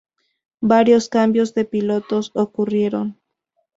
Varios cambios de pilotos ocurrieron.